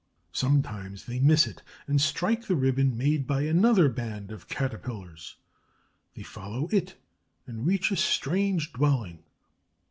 Sometimes they miss it and strike the ribbon made by another band of Caterpillars. They follow it and reach a strange dwelling.